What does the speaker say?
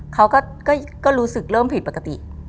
เขาก็รู้สึกเริ่มผิดปกติ